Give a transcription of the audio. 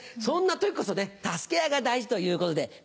そんな時こそ助け合いが大事ということで。